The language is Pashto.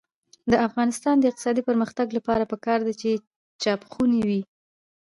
د افغانستان د اقتصادي پرمختګ لپاره پکار ده چې چاپخونې وي.